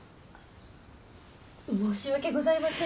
申し訳ございません。